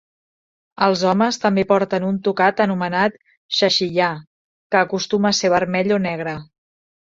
Els homes també porten un tocat anomenat 'Shashiyah', que acostuma a ser vermell o negre.